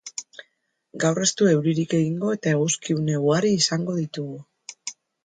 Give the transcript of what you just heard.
Gaur ez du euririk egingo eta eguzki-une ugari izango ditugu.